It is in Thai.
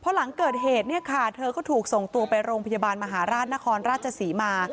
หลังเกิดเหตุเนี่ยค่ะเธอก็ถูกส่งตัวไปโรงพยาบาลมหาราชนครราชศรีมา